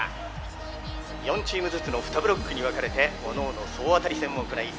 ４チームずつの２ブロックに分かれておのおの総当たり戦を行い